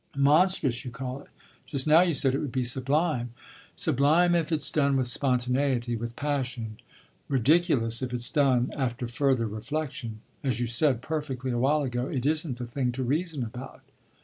"Monstrous you call it? Just now you said it would be sublime." "Sublime if it's done with spontaneity, with passion; ridiculous if it's done 'after further reflexion.' As you said, perfectly, a while ago, it isn't a thing to reason about."